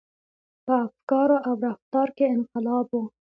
• په افکارو او رفتار کې انقلاب و.